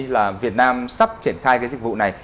là việt nam sắp triển khai cái dịch vụ này